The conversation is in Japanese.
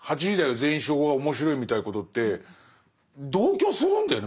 全員集合」は面白いみたいなことって同居するんだよね。